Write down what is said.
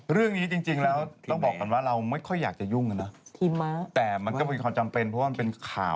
เรื่องนี้จริงแล้วต้องบอกก่อนเราไม่ค่อยอยากจะยุ่งนะนะ